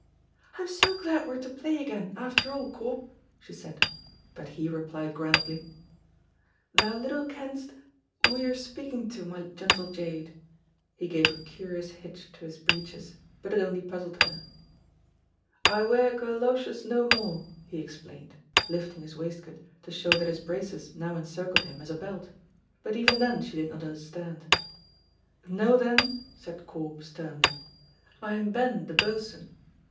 "I'm so glad we are to play again, after all, Corp," she said; but he replied grandly, "Thou little kennest wha you're speaking to, my gentle jade." He gave a curious hitch to his breeches, but it only puzzled her. "I wear gallowses no more," he explained, lifting his waistcoat to show that his braces now encircled him as a belt, but even then she did not understand. "Know, then," said Corp, sternly, "I am Ben the Boatswain."